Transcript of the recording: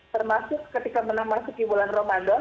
termasuk ketika menang masjid di bulan ramadan